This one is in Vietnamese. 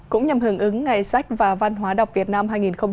cũng nhằm hưởng ứng ngày sách và văn hóa đọc việt nam hai nghìn hai mươi bốn